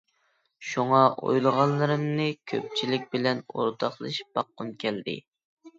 شۇڭا ئويلىغانلىرىمنى كۆپچىلىك بىلەن ئورتاقلىشىپ باققۇم كەلدى.